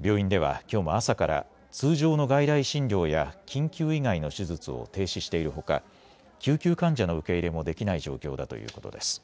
病院ではきょうも朝から通常の外来診療や緊急以外の手術を停止しているほか、救急患者の受け入れもできない状況だということです。